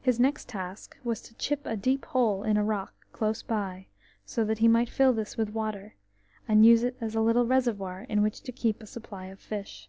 His next task was to chip a deep hole in a rock close by, so that he might fill this with water, and use it as a little reservoir in which to keep a supply of fish.